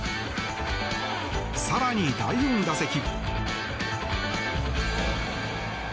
更に、第４打席。